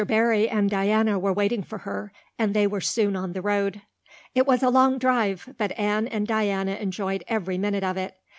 Barry and Diana were waiting for her, and they were soon on the road. It was a long drive, but Anne and Diana enjoyed every minute of it.